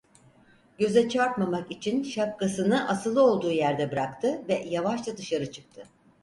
Göze çarpmamak için şapkasını asılı olduğu yerde bıraktı ve yavaşça dışarı çıktı.